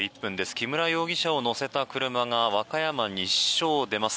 木村容疑者を乗せた車が和歌山西署を出ます。